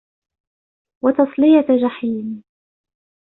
وتصلية جحيم